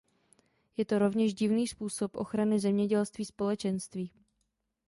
Je to rovněž divný způsob ochrany zemědělství Společenství.